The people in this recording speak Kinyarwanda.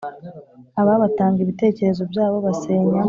Aba batanga ibitekerezo byabo basenya